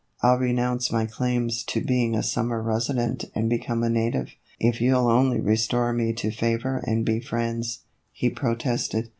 " I '11 renounce my claims to being a summer resident and become a native, if you '11 only restore me to favor and be friends," he protested.